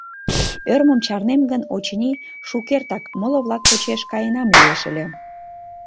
Ӧрмым чарнем гын, очыни, шукертак моло-влак почеш каенам лиеш ыле.